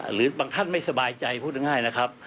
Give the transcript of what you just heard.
หรือบางท่านไม่สบายใจพูดง่ายนะครับ